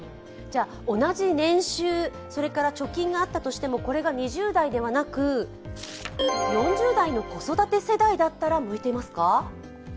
同じ年収、貯金があったとしてもこれが２０代ではなくて、４０代の子育て世代だったら向いていますか？